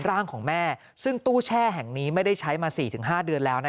ร่างของแม่ซึ่งตู้แช่แห่งนี้ไม่ได้ใช้มา๔๕เดือนแล้ว